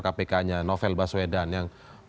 kpk nya novel baswedan yang